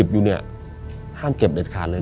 อยู่เนี่ยห้ามเก็บเด็ดขาดเลย